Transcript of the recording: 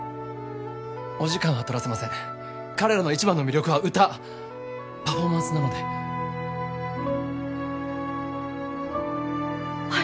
お時間は取らせません彼らの一番の魅力は歌パフォーマンスなのでは